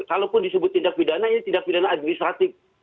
kalaupun disebut tindak pidana ini tindak pidana administratif